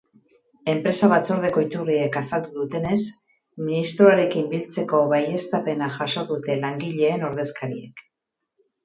Enpresa-batzordeko iturriek azaldu dutenez, ministroarekin biltzeko baieztapena jaso dute langileen ordezkariek.